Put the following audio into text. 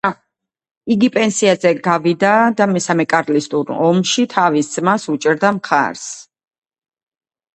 იგი პენსიაზე გავიდა და მესამე კარლისტურ ომში თავის ძმას უჭერდა მხარს.